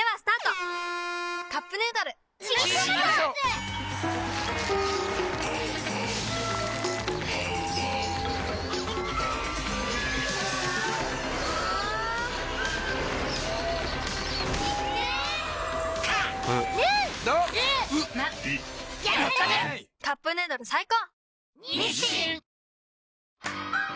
「カップヌードル」最高！